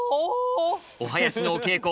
お囃子のお稽古